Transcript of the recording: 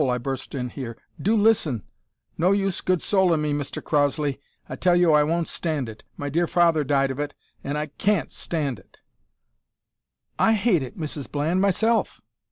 I burst in here, `do listen ' "`No use good soulin' me, Mr Crossley. I tell you I won't stand it. My dear father died of it, an' I can't stand it ' "`I hate it, Mrs Bland, myself!'